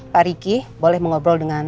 pak riki boleh mengobrol dengan